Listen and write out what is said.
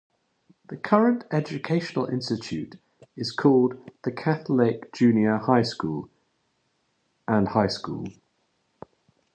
The current educational institution is called the Catholic Junior High School and High School.